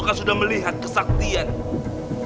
ganjeng ratu sudah melihat kesaktianmu